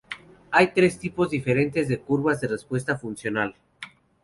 Hay tres tipos diferentes de curvas de respuesta funcional.